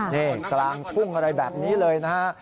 นี่กลางทุ่งอะไรแบบนี้เลยนะฮะ